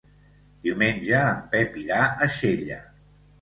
Diumenge en Pep irà a Xella.